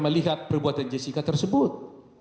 melihat perbuatan jessica tersebut